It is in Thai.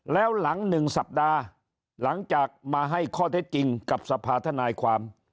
แล้วหลัง๑สัปดาห์หลังจากมาให้ข้อเท็จจริงกับสภาธนายความ